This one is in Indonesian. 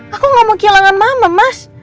aku gak mau kehilangan mama mas